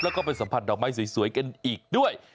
แล้วก็ไปสัมผัสดอกไม้สวยกันอีกด้วย